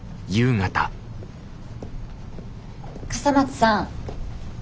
笠松さん。